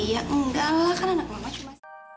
ya enggak lah kan anak mama cuma